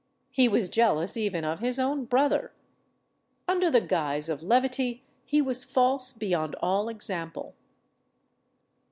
He was jealous even of his own brother. Under the guise of levity, he was false beyond all example."